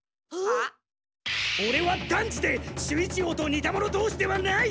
オレはだんじて守一郎と似た者同士ではない！